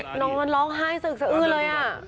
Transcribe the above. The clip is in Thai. นอนมันร้องไห้สึกสะอื้นเลยอ่ะ